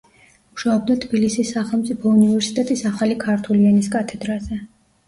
მუშაობდა თბილისის სახელმწიფო უნივერსიტეტის ახალი ქართული ენის კათედრაზე.